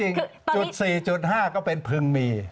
จริงจุด๔จุด๕ก็เป็นพึงมี